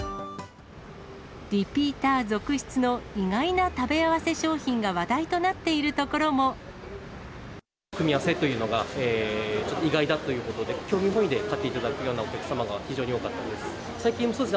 リピーター続出の意外な食べ合わせ商品が話題となっているところ組み合わせというのがちょっと意外だということで、興味本位で買っていただくようなお客様が非常に多かったです。